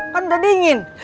kan udah dingin